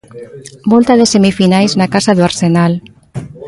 Volta de semifinais na casa do Arsenal.